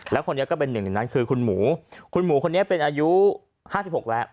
แล้วคนนี้ก็เป็นหนึ่งในนั้นคือคุณหมูคุณหมูคนนี้เป็นอายุ๕๖แล้ว